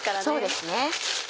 そうですね。